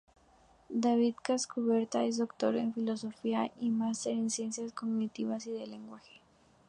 David Casacuberta es doctor en Filosofía y máster en Ciencias cognitivas y del lenguaje.